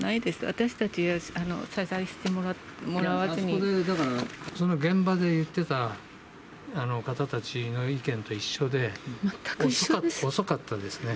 私たち、あそこでだから、その現場で言ってた方たちの意見と一緒で、遅かったですね。